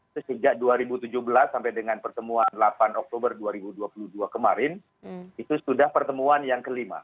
sejak dua ribu tujuh belas sampai dengan pertemuan delapan oktober dua ribu dua puluh dua kemarin itu sudah pertemuan yang kelima